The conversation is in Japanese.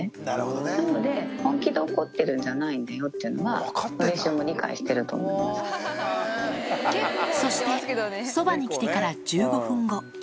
なので、本気で怒ってるんじゃないんだよっていうのは、のりしおも理解しそして、そばに来てから１５分後。